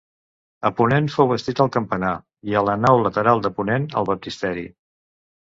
A ponent fou bastit el campanar, i a la nau lateral de ponent, el baptisteri.